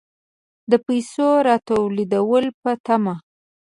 د پیسو راتوېدلو په طمع.